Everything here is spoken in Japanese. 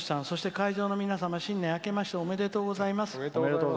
そして、会場の皆様新年あけましておめでとうございます。